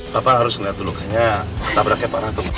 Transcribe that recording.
papa harus ngeliat dulu kayaknya ketabraknya parah tuh